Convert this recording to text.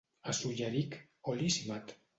A Solleric, oli cimat.